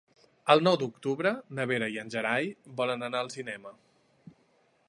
El nou d'octubre na Vera i en Gerai volen anar al cinema.